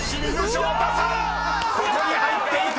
［ここに入っていた！］